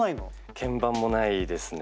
鍵盤もないですね。